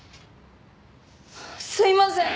「すいません！」